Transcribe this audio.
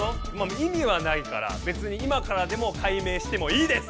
いみはないからべつに今からでも改名してもいいです！